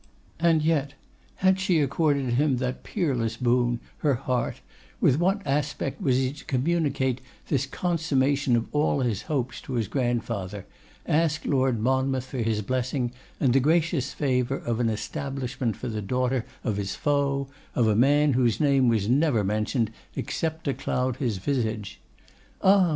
And yet, had she accorded him that peerless boon, her heart, with what aspect was he to communicate this consummation of all his hopes to his grandfather, ask Lord Monmouth for his blessing, and the gracious favour of an establishment for the daughter of his foe, of a man whose name was never mentioned except to cloud his visage? Ah!